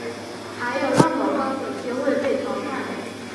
还有那么高的机会被淘汰